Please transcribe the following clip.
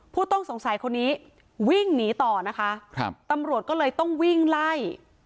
ผู้ต้องสงสัยคนนี้วิ่งหนีต่อนะคะครับตำรวจก็เลยต้องวิ่งไล่